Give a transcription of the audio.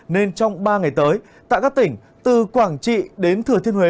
nên trong ba ngày tới tại các tỉnh từ quảng trị đến thừa thiên huế